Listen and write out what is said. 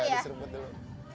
iya diseremput dulu